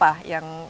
anak dari mana gitu